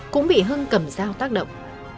cũng bị hưng cầm dao tác động